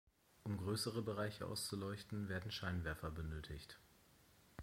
Um größere Bereiche auszuleuchten, werden Scheinwerfer benötigt.